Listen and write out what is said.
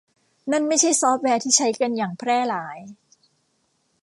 นั่นไม่ใช่ซอฟต์แวร์ที่ใช้กันอย่างแพร่หลาย